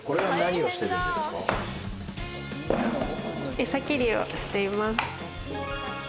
エサ切りをしています。